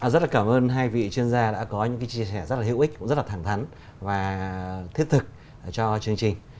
rất là cảm ơn hai vị chuyên gia đã có những cái chia sẻ rất là hữu ích rất là thẳng thắn và thiết thực cho chương trình